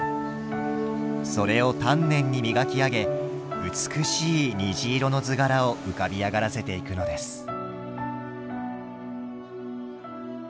それを丹念に磨き上げ美しい虹色の図柄を浮かび上がらせていくのです。